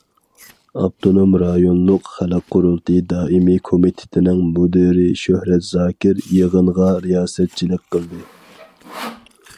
ئاپتونوم رايونلۇق خەلق قۇرۇلتىيى دائىمىي كومىتېتىنىڭ مۇدىرى شۆھرەت زاكىر يىغىنغا رىياسەتچىلىك قىلدى.